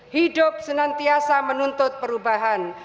hidup senantiasa menuntut perubahan